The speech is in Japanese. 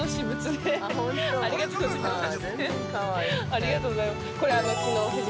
◆ありがとうございます。